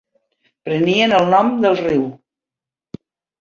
Prenien el nom del riu.